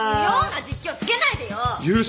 妙な実況つけないでよ！